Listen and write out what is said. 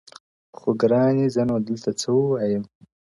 خوگراني زه نو دلته څه ووايم،